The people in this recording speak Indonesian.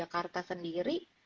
untuk tujuan jakarta sendiri